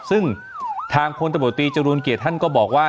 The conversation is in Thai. ซึ่งทางพลตำรวจตรีจรูลเกียรติท่านก็บอกว่า